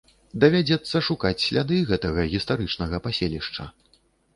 Давядзецца шукаць сляды гэтага гістарычнага паселішча.